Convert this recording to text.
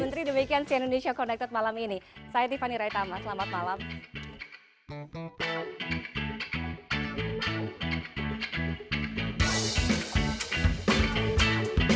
terima kasih sekali lagi pak menteri